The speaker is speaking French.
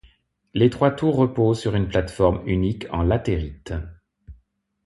Les trois tours reposent sur une plateforme unique en latérite.